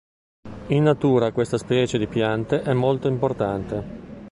In natura questa specie di piante è molto importante.